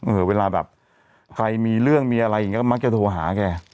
เวลาแบบใครมีเรื่องมีอะไรอย่างนี้ก็มักจะโทรหาแก